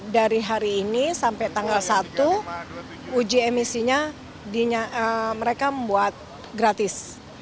dari hari ini sampai tanggal satu uji emisinya mereka membuat gratis